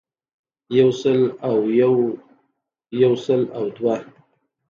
يو سل او يو يو سل او دوه